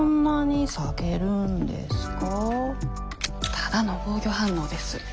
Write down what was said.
ただの防御反応です。